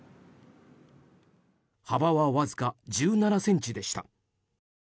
幅は、わずか１７ｃｍでした。